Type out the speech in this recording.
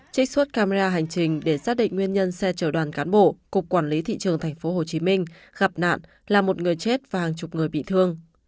trích xuất camera hành trình để xác định nguyên nhân xe chở đoàn cán bộ cục quản lý thị trường tp hcm gặp nạn là một người chết và hàng chục người bị thương